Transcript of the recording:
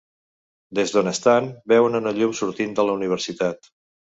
Des d'on estan veuen una llum sortint de la universitat.